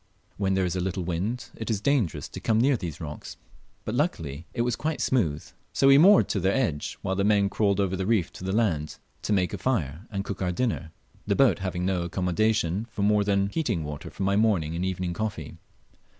When there is a little wind, it is dangerous to come near these rocks; but luckily it was quite smooth, so we moored to their edge, while the men crawled over the reef to the land, to make; a fire and cook our dinner the boat having no accommodation for more than heating water for my morning and evening coffee.